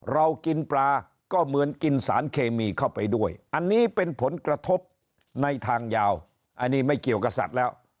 เรากินปลาก็เหมือนกินสารเคมีเข้าไปด้วยอันนี้เป็นผลกระทบในทางยาวอันนี้ไม่เกี่ยวกับสัตว์แล้ว